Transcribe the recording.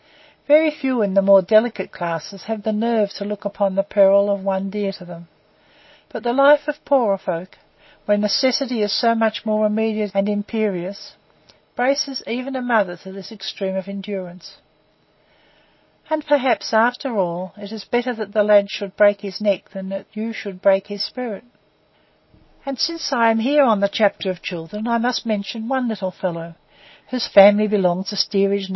Very few in the more delicate classes have the nerve to look upon the peril of one dear to them; but the life of poorer folk, where necessity is so much more immediate and imperious, braces even a mother to this extreme of endurance. And perhaps, after all, it is better that the lad should break his neck than that you should break his spirit. And since I am here on the chapter of the children, I must mention one little fellow, whose family belonged to Steerage No.